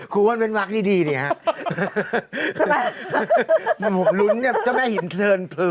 คุณว่านเป็นวักดิวดีเลยครับลุ้นจ้าแม่หินเทิร์นโพโห